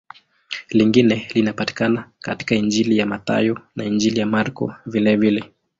Lingine linapatikana katika Injili ya Mathayo na Injili ya Marko vilevile.